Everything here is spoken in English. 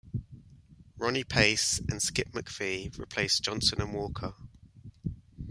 Ronnie Pace and Skip McPhee replaced Johnson and Walker.